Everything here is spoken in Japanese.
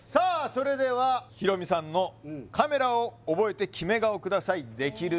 それではヒロミさんのカメラを覚えてキメ顔くださいできる？